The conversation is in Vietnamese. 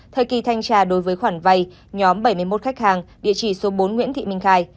thời kỳ thanh tra đối với khoản vay nhóm bảy mươi một khách hàng địa chỉ số bốn nguyễn thị minh khai